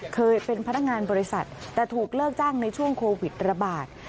เคยเป็นพนักงานบริษัทแต่ถูกเลิกจ้างในช่วงโควิดระบาด